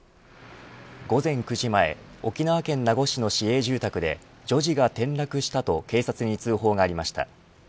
午前９時前沖縄県名護市の市営住宅で女児が転落したと警察に通報がありました。